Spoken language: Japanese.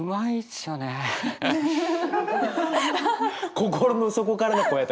心の底からの声やった。